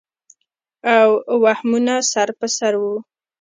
او وهمونه سر پر سر وو